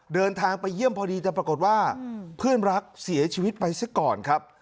เดินทางไปเยี่ยมพอดีแต่ปรากฏว่าเพื่อนรักเสียชีวิตไปซะก่อนครับ